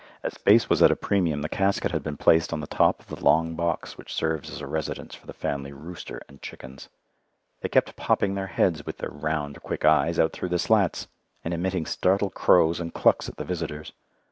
As space was at a premium the casket had been placed on the top of the long box which serves as a residence for the family rooster and chickens. They kept popping their heads, with their round, quick eyes out through the slats, and emitting startled crows and clucks at the visitors.